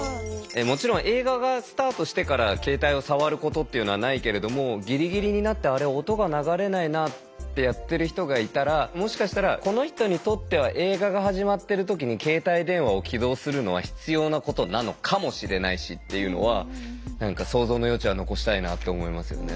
もちろん映画がスタートしてから携帯を触ることっていうのはないけれどもギリギリになって「あれ？音が流れないな」ってやってる人がいたらもしかしたらこの人にとっては映画が始まってる時に携帯電話を起動するのは必要なことなのかもしれないしっていうのは想像の余地は残したいなって思いますよね。